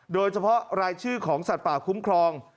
โดยเฉพาะรายชื่อของสัตว์ป่าคุ้มครอง